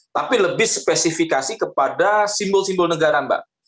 tapi lebih spesifikasi kepada simbol simbol negara mbak